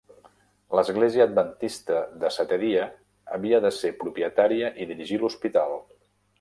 L'Església Adventista de Setè Dia havia de ser propietària i dirigir l'hospital.